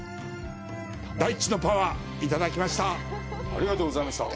大地のパワー、いただきました。